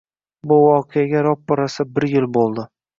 Bu voqeaga roppa-rosa bir yil bo`ldi